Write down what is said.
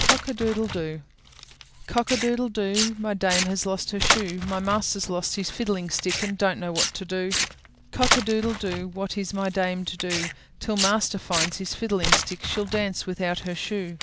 COCK A DOODLE DOO Cock a doodle doo! My dame has lost her shoe; My master's lost his fiddling stick, And don't know what to do. Cock a doodle doo! What is my dame to do? Till master finds his fiddling stick, She'll dance without her shoe.